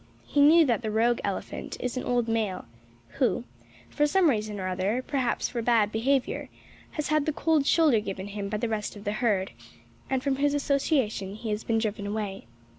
He knew that the rogue elephant is an old male, who, for some reason or other perhaps for bad behaviour has had the cold shoulder given him by the rest of the herd, and from whose association he has been driven away.